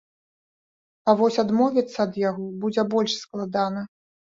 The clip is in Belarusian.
А вось адмовіцца ад яго будзе больш складана.